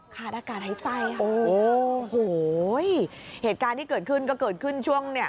ขาดอากาศหายใจค่ะโอ้โหเหตุการณ์ที่เกิดขึ้นก็เกิดขึ้นช่วงเนี่ย